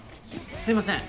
すみません